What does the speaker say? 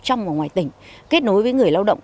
trong và ngoài tỉnh kết nối với người lao động